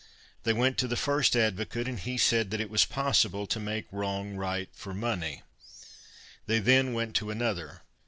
They went to the first advocate, and he said that it was possible to make wrong right for money. They then went to another.